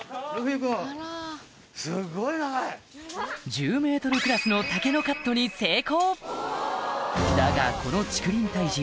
１０ｍクラスの竹のカットに成功だがこの竹林退治